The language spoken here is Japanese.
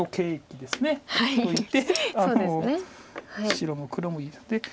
白も黒もいって。